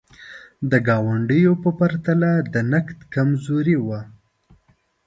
د ګاونډیو په پرتله د نقد کمزوري وه.